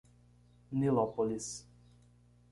Nilópolis